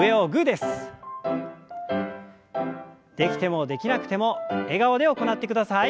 できてもできなくても笑顔で行ってください。